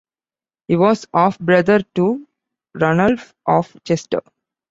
He was half-brother to Ranulf of Chester.